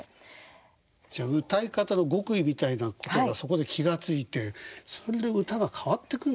じゃあ歌い方の極意みたいなことがそこで気が付いてそれで歌が変わってくるんですね。